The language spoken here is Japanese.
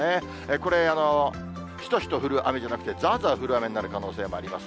これ、しとしと降る雨じゃなくて、ざーざー降る雨になる可能性があります。